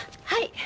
はい。